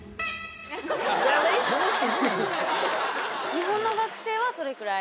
日本の学生はそれくらい。